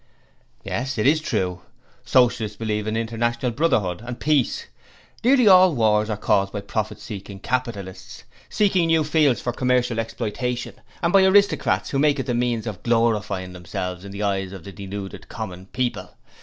'Yes; it is true. Socialists believe in International Brotherhood and peace. Nearly all wars are caused by profit seeking capitalists, seeking new fields for commercial exploitation, and by aristocrats who make it the means of glorifying themselves in the eyes of the deluded common people.